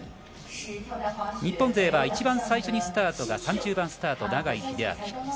日本勢は一番最初のスタートが３０番スタート、永井秀昭。